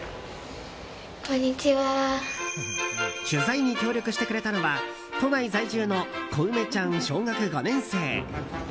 取材に協力してくれたのは都内在住のこうめちゃん小学５年生。